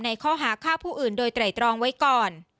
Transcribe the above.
ข้อหาฆ่าผู้อื่นโดยไตรตรองไว้ก่อน